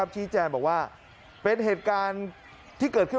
ชี้แจงบอกว่าเป็นเหตุการณ์ที่เกิดขึ้น